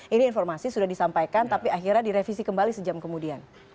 ini informasi sudah disampaikan tapi akhirnya direvisi kembali sejam kemudian